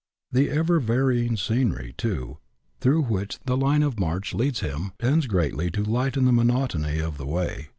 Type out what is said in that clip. The ever varying scenery, too, through which the line of march leads him, tends greatly to lighten the monotony of the way.